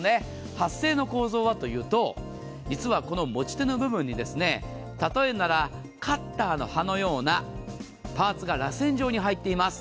発生の構造はというと実はこの持ち手の部分に例えるならカッターの刃のようなパーツがらせん状に入っています。